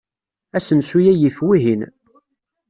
Asensu-a yif wihin.